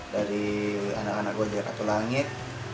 dari anak anak gue di katulangit